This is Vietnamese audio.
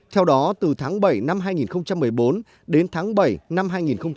theo đó từ tháng bảy năm hai nghìn một mươi bốn đến tháng bảy năm hai nghìn một mươi chín